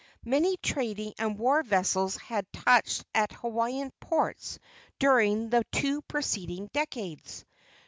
many trading and war vessels had touched at Hawaiian ports during the two preceding decades.